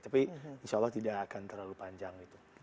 tapi insya allah tidak akan terlalu panjang itu